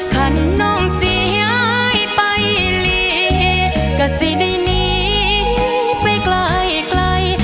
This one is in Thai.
ขันน้องสิให้ไปเลยกะสิได้หนีไปไกล